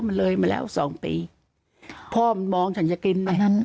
มันเลยมาแล้วสองปีพ่อมันมองฉันจะกินไหม